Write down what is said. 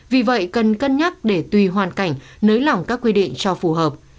vì vậy cần cân nhắc để tùy hoàn cảnh nới lỏng các quy định cho phù hợp